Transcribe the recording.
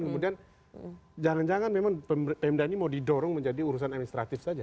kemudian jangan jangan memang pemda ini mau didorong menjadi urusan administratif saja